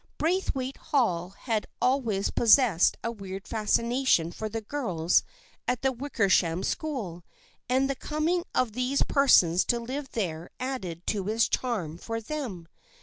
Braithwaite Hall had al ways possessed a weird fascination for the girls at the Wickersham School and the coming of these persons to live there added to its charm for them.